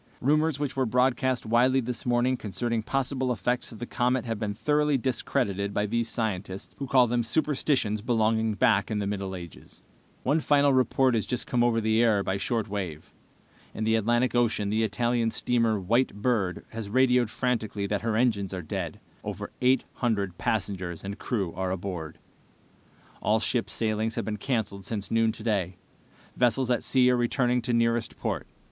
Rumors which were broadcast widely this morning concerning possible effects of the comet have been thoroughly discredited by these scientists, who call them superstitions belonging back in the Middle Ages. "One final report has just come over the air by shortwave. In the Atlantic Ocean the Italian steamer White Bird has radioed frantically that her engines are dead. Over eight hundred passengers and crew are aboard. "All ship sailings have been canceled since noon today. Vessels at sea are returning to nearest port.